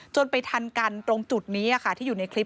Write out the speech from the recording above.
ไปทันกันตรงจุดนี้ที่อยู่ในคลิป